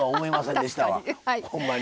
確かに。